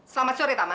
selamat sore tama